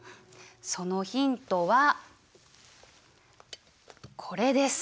そのヒントはこれです。